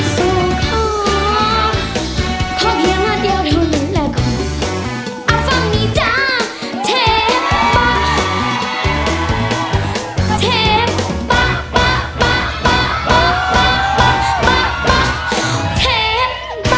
สุดท้ายฮิวลิน